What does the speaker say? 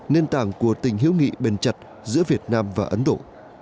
nền tảng của tình hữu nghị bền chặt giữa việt nam và ấn độ